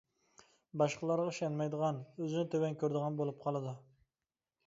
باشقىلارغا ئىشەنمەيدىغان، ئۆزىنى تۆۋەن كۆرىدىغان بولۇپ قالىدۇ.